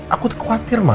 aku kekuatir ma